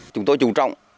chúng tôi trung trọng